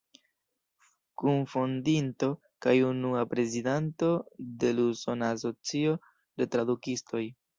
Kunfondinto kaj unua prezidanto de l' Usona Asocio de Tradukistoj.